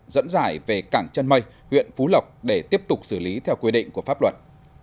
dẫn giải về cảng chân mây huyện phú lộc để tiếp tục xử lý theo quy định của pháp luật